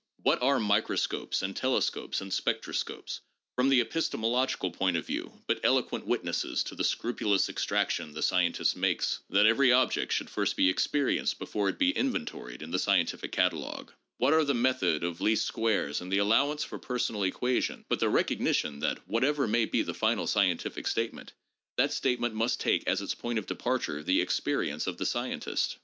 What are microscopes and telescopes and spectroscopes, from the epistemological point of view, but eloquent witnesses to the scrupulous exaction the scientist makes that every object should first be experienced before it be inven toried in the scientific catalogue ? What are the method of least squares and the allowance for personal equations but the recog 1 Studies in Logical Theory, p. 83. No. 3.] PURE EXPERIENCE AND REALITY. 273 nition that, whatever may be the final scientific statement, that statement must take as its point of departure the experience of the scientist